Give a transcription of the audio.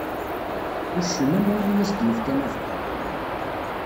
Uccen am win i as-d-yefkan abeqqa.